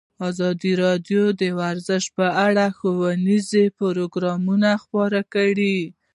ازادي راډیو د ورزش په اړه ښوونیز پروګرامونه خپاره کړي.